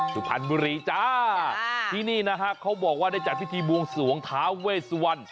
สุพรรณบุรีจ้าที่นี่นะฮะเขาบอกว่าได้จัดพิธีบวงสวงท้าเวสวัน